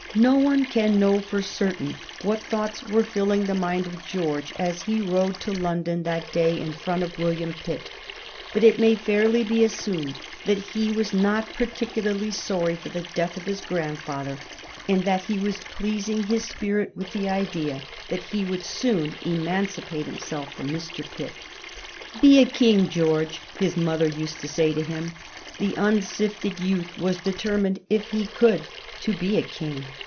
No one can know for certain what thoughts were filling the mind of George as he rode to London that day in front of William Pitt. But it may fairly be assumed that he was not particularly sorry for the death of his grandfather, and that he was pleasing his spirit with the idea that he would soon emancipate himself from Mr. Pitt. "Be a king, George," his mother used to say to him. The unsifted youth was determined, if he could, to be a king.